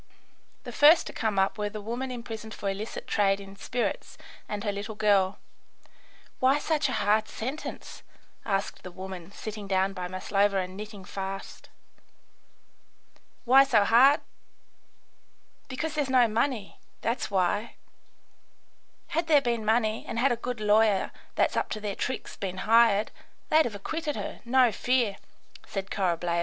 The first to come up were the woman imprisoned for illicit trade in spirits, and her little girl. "Why such a hard sentence?" asked the woman, sitting down by Maslova and knitting fast. "Why so hard? Because there's no money. That's why! Had there been money, and had a good lawyer that's up to their tricks been hired, they'd have acquitted her, no fear," said Korableva.